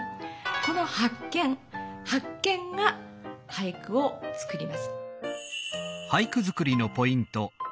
この発見「発見」が俳句をつくります。